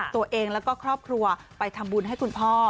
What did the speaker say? ตัวเองแล้วก็ครอบครัวไปทำบุญให้คุณพ่อ